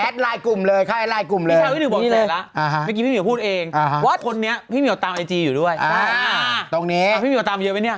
ตรงนี้พี่มีข้อมูลตามเยอะไหมเนี่ย